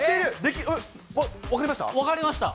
分かりました。